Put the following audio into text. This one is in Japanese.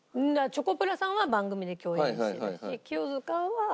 チョコプラさんは番組で共演してたし。